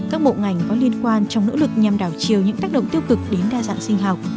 các bộ ngành có liên quan trong nỗ lực nhằm đảo chiều những tác động tiêu cực đến đa dạng sinh học